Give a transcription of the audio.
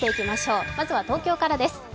まずは東京からです